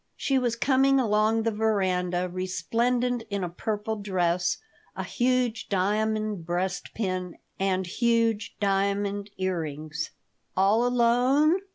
She was coming along the veranda, resplendent in a purple dress, a huge diamond breastpin, and huge diamond earrings "All alone?